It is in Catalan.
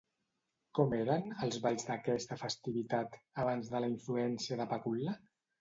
Com eren, els balls d'aquesta festivitat, abans de la influència de Pacul·la?